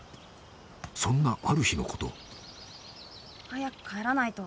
［そんなある日のこと］